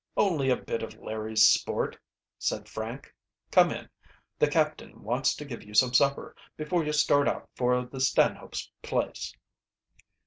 "Only a bit of Larry's sport," said Frank. "Come in, the captain wants to give you some supper before you start out for the Stanhopes' place."